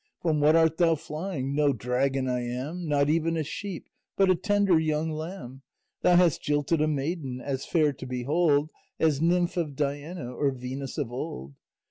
From what art thou flying? No dragon I am, Not even a sheep, But a tender young lamb. Thou hast jilted a maiden As fair to behold As nymph of Diana Or Venus of old.